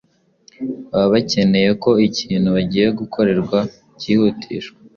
baba bakeneye ko ikintu bagiye gukorerwa kihutishwa,